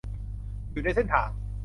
อยู่ในเส้นทาง